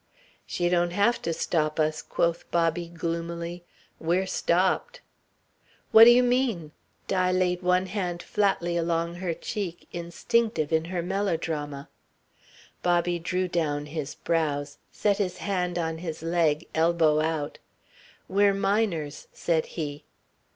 "She don't have to stop us," quoth Bobby gloomily, "we're stopped." "What do you mean?" Di laid one hand flatly along her cheek, instinctive in her melodrama. Bobby drew down his brows, set his hand on his leg, elbow out. "We're minors," said he.